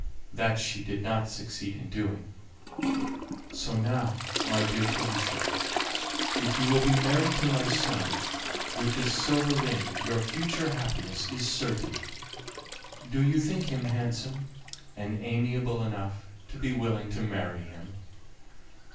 That she did not succeed in doing; so now, my dear Felicia, if you will be married to my son with this silver ring your future happiness is certain. Do you think him handsome and amiable enough to be willing to marry him?"